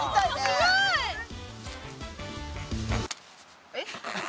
すごい！えっ？